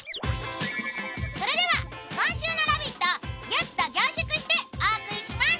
それでは今週の「ラヴィット！」をギュッと凝縮してお送りします！